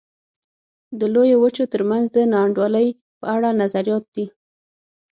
د لویو وچو ترمنځ د نا انډولۍ په اړه نظریات دي.